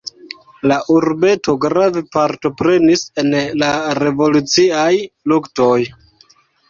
La urbeto grave partoprenis en la revoluciaj luktoj.